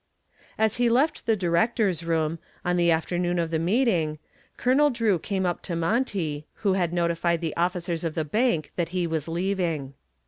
As he left the directors' room, on the afternoon of the meeting, Colonel Drew came up to Monty, who had notified the officers of the bank that he was leaving.